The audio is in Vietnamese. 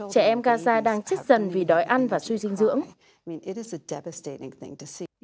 trẻ em gaza đang chết dần vì đói ăn và suy dinh dưỡng